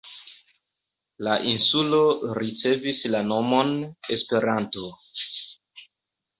La insulo ricevis la nomon "Esperanto".